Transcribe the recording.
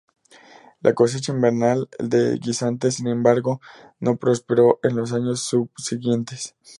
La cosecha invernal de guisantes, sin embargo, no prosperó en los años subsiguientes.